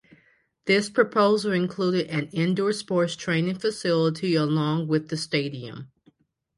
This proposal included an indoor sports training facility along with the stadium.